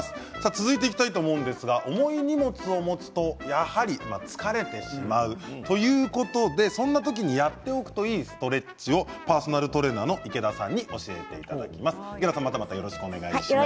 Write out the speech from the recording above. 続いては、重い荷物を持つとやはり疲れてしまうということでそんな時にやっておくといいストレッチをパーソナルトレーナーの池田さんに教えていただきます。